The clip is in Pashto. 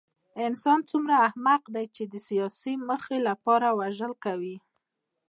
انسان څومره احمق دی چې د سیاسي موخو لپاره وژل کوي